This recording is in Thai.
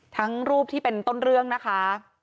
รูปที่เป็นต้นเรื่องนะคะ